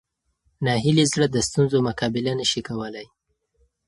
ناهیلي زړه د ستونزو مقابله نه شي کولی.